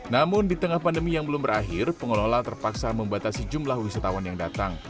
namun di tengah pandemi yang belum berakhir pengelola terpaksa membatasi jumlah wisatawan yang datang